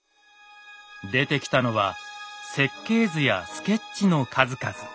出てきたのは設計図やスケッチの数々。